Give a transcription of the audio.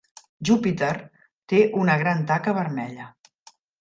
Júpiter té una gran taca vermella.